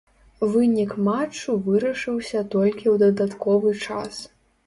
Вынік матчу вырашыўся толькі ў дадатковы час.